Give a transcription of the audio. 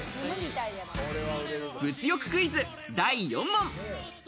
物欲クイズ第４問。